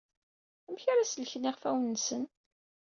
Amek ara sellken iɣfawen-nsen?